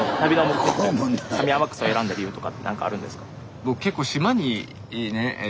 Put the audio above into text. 上天草選んだ理由とかって何かあるんですか？